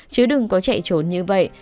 chứ đừng có chạy trốn như vậy